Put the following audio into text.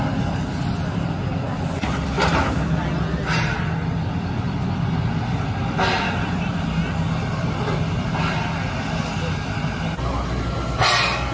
หรือว่าเกิดอะไรขึ้น